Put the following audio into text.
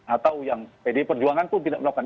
atau yang pdi perjuangan pun tidak melakukan